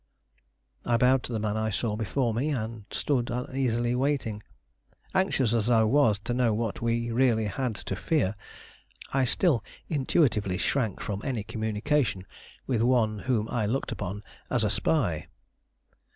I bowed to the man I saw before me, and stood uneasily waiting. Anxious as I was to know what we really had to fear, I still intuitively shrank from any communication with one whom I looked upon as a spy.